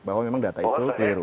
bahwa memang data itu keliru